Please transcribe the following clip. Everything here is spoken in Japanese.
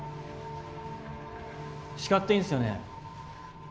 叱って良いんすよね。